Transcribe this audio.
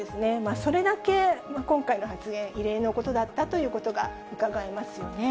それだけ今回の発言、異例のことだったということがうかがえますよね。